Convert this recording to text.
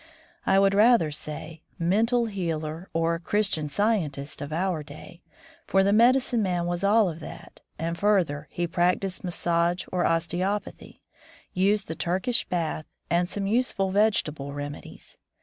I would rather say, mental healer or Christian scien tist of our day, for the medicine man was all of that, and further he practised massage or osteopathy, used the Turkish bath, and some useful vegetable remedies.